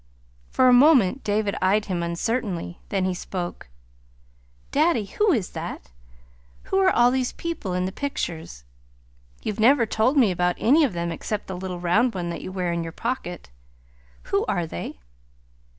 For a moment David eyed him uncertainly; then he spoke. "Daddy, who is that? Who are all these people in the pictures? You've never told me about any of them except the little round one that you wear in your pocket. Who are they?"